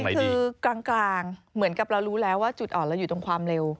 คือกลางเหมือนกับเรารู้แล้วว่าจุดอ่อนเราอยู่ตรงความเร็ว